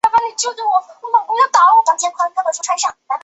早年从查慎行游。